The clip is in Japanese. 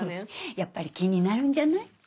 やっぱり気になるんじゃない？